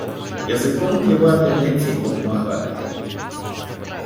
Язиком кивати, не ціпом махати.